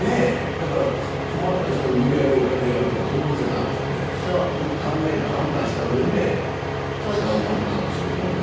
だから困った人に無理やりお金やるとかそういう事じゃなくてよく考えて判断した上で使うお金なんでしょうけどね。